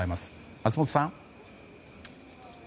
松本さん。